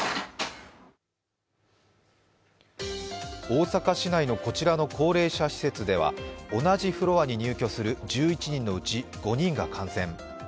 大阪市内のこちらの高齢者施設では同じフロアに入居する１１人のうち５人が感染。